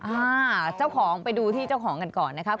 อ่าเจ้าของไปดูที่เจ้าของกันก่อนนะครับ